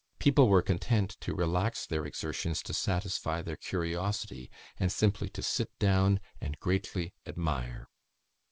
People were content to relax their exertions to satisfy their curiosity, and simply to sit down and greatly admire.